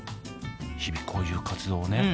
日々こういう活動をね